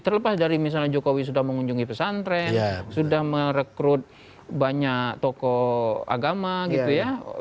terlepas dari misalnya jokowi sudah mengunjungi pesantren sudah merekrut banyak tokoh agama gitu ya